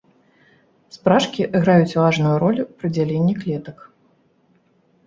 Спражкі граюць важную ролю пры дзяленні клетак.